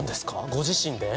ご自身で？